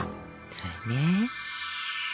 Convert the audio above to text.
それね。